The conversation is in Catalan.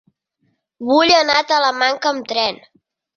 Vull anar a Talamanca amb tren.